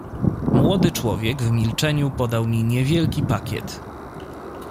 "Młody człowiek w milczeniu podał mi niewielki pakiet."